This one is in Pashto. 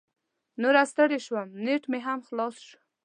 نوره ستړې شوم، نیټ مې هم خلاص شو.